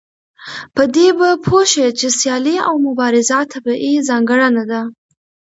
په دې به پوه شئ چې سيالي او مبارزه طبيعي ځانګړنه ده.